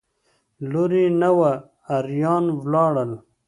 لور یې نه وه اریان ولاړل.